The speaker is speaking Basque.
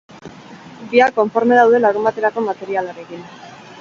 Biak konforme daude larunbaterako materialarekin.